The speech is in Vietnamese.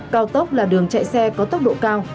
cao tốc là đường chạy xe có tốc độ cao